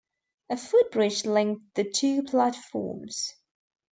A footbridge linked the two platforms.